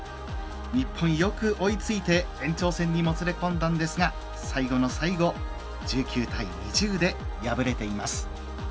日本、よく追いついて延長戦にもつれ込んだんですが最後の最後１９対２０で敗れています。